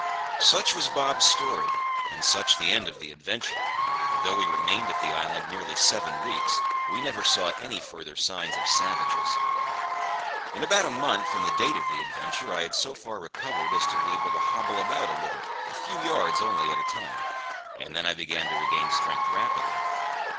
Such was Bob's story, and such the end of the adventure, for though we remained at the island nearly seven weeks, we never saw any further signs of savages. In about a month from the date of the adventure, I had so far recovered as to be able to hobble about a little, a few yards only at a time; and then I began to regain strength rapidly.